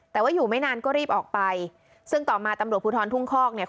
แต่ว่าอยู่ไม่นานก็รีบออกไปซึ่งต่อมาตำรวจภูทรทุ่งคอกเนี่ย